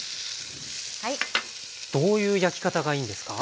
どういう焼き方がいいんですか？